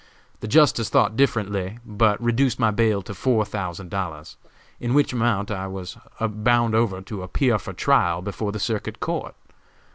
The justice thought differently, but reduced my bail to four thousand dollars, in which amount I was bound over to appear for trial before the circuit court.